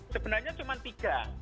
sebenarnya cuma tiga